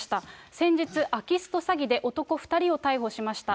先日、空き巣と詐欺で男２人を逮捕しました。